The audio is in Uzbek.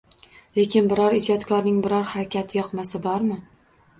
Lekin bir ijodkorning biror harakati yoqmasa bormi?